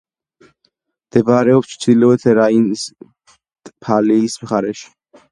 მდებარეობს ჩრდილოეთ რაინ-ვესტფალიის მხარეში.